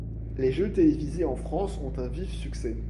Les jeux télévisés en France ont un vif succès.